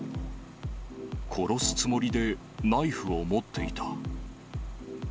殺すつもりでナイフを持っていた。